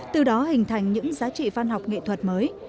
từ đó hình thành những giá trị văn học nghệ thuật mới